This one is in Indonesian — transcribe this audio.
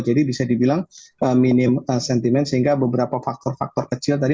jadi bisa dibilang minim sentimen sehingga beberapa faktor faktor kecil tadi